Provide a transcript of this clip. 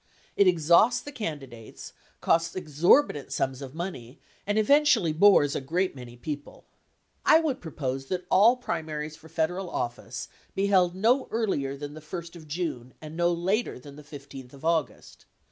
It exhausts the candidates, costs exorbitant sums of money, and eventually bores a great many people. I would propose that all primaries for Federal office be held no earlier than the first of June and no later than the 15th of August.